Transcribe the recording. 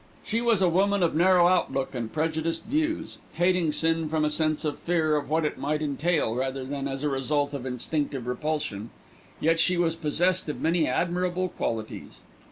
She was a woman of narrow outlook and prejudiced views, hating sin from a sense of fear of what it might entail rather than as a result of instinctive repulsion; yet she was possessed of many admirable qualities.